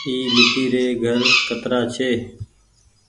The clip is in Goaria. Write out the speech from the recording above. اي ميٽي ري گهر ڪترآ ڇي۔